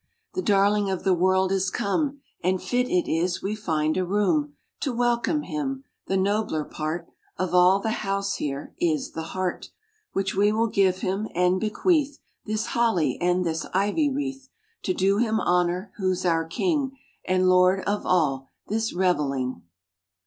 The darling of the world is come, And fit it is we find a room To welcome Him. The nobler part Of all the house here, is the heart, Which we will give Him; and bequeath This holly, and this ivy wreath, To do Him honour; who's our King, And Lord of all this revelling.